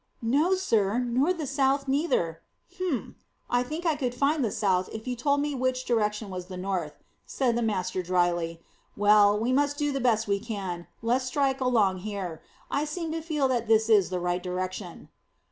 "No, sir, nor the south neither." "Humph! I think I could find the south if you told me which was the north," said the master drily. "Well, we must do the best we can. Let's strike along here. I seem to feel that this is the right direction."